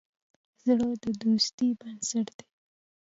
زړه د دوستی بنسټ دی.